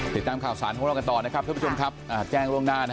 ติดตามข่าวสารของเรากันต่อนะครับท่านผู้ชมครับแจ้งล่วงหน้านะฮะ